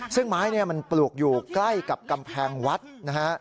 ซึ่งไม้ปลูกอยู่ใกล้กับกำแพงวัดนะฮะ